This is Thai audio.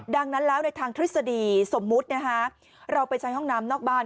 ดังนั้นแล้วในทางทฤษฎีสมมุตินะคะเราไปใช้ห้องน้ำนอกบ้าน